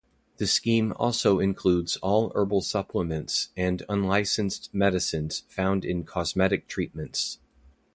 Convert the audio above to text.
The scheme also includes all herbal supplements and unlicensed medicines found in cosmetic treatments.